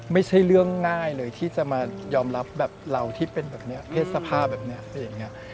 ไม่ใช่เรื่องง่ายเลยที่จะมายอมรับแบบเราที่เป็นแบบนี้เพศภาพแบบนี้